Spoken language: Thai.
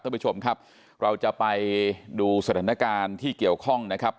ท่านผู้ชมครับเราจะไปดูสถานการณ์ที่เกี่ยวข้องนะครับ